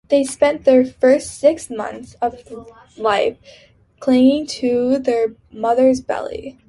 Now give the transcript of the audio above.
They spend the first six months of life clinging to their mother's belly.